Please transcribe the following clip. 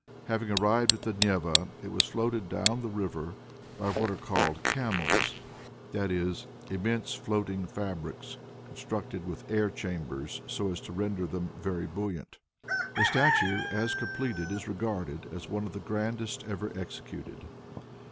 Having arrived at the Neva, it was floated down the river by what are called camels, that is immense floating fabrics constructed with air chambers so as to render them very buoyant. This statue as completed is regarded as one of the grandest ever executed.